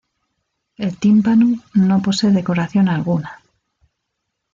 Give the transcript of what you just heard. El tímpano no posee decoración alguna.